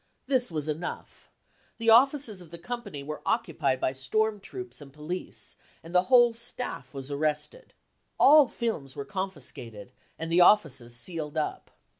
This was enough : the offices of the company were occupied by storm troops and police and the whole staff was arrested. All films were confiscated, and the offices sealed up.